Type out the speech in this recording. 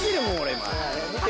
今。